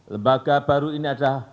lembaga baru ini adalah